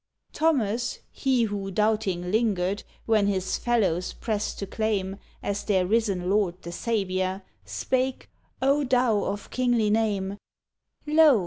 Thomas (he who, doubting, lingered When his fellows pressed to claim As their risen Lord, the Saviour) Spake: "Oh, thou of kingly name, "Lo!